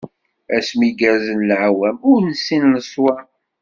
Asmi gerzen leɛwam, ur nessin leswam.